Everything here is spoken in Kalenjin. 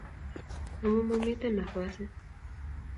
amu mamiten nafasit